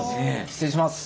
失礼します。